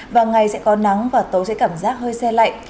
và ngày sẽ có nắng và tối sẽ cảm giác hơi xe lạnh